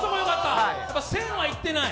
１０００はいってない？